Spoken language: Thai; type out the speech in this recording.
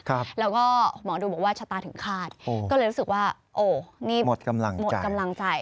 แล้วก็หมอดูบอกว่าชะตาถึงขาดก็เลยรู้สึกว่าโอ๊ยนี่หมดกำลังใจ